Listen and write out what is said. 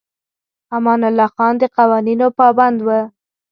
امان الله خان د قوانینو پابند و.